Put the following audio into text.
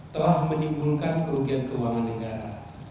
telah menimbulkan kerugian keuangan negara